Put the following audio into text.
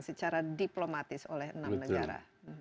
secara diplomatis oleh enam negara